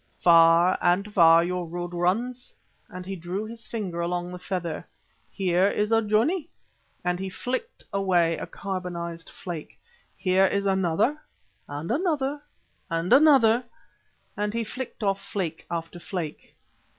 Far and far your road runs," and he drew his finger along the feather. "Here is a journey," and he flicked away a carbonised flake, "here is another, and another, and another," and he flicked off flake after flake.